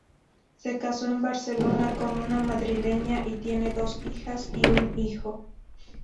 Se casó en Barcelona con una madrileña y tiene dos hijas y un hijo.